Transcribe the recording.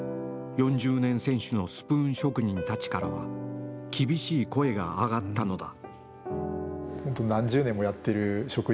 ４０年選手のスプーン職人たちからは厳しい声が上がったのだ。